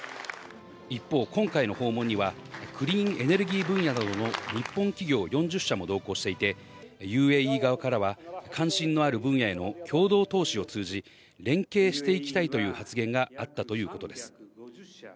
一方、今回の訪問にはクリーンエネルギー分野などの日本企業４０社も同行していて、ＵＡＥ側からは、関心のある分野への共同投資を通じ、連携していきたいという発言があったということです。